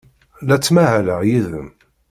La ttmahaleɣ yid-m.